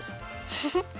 フフッ。